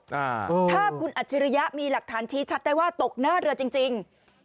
อ่าถ้าคุณอัจฉริยะมีหลักฐานชี้ชัดได้ว่าตกหน้าเรือจริงจริง